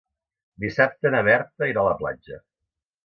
Dissabte na Berta irà a la platja.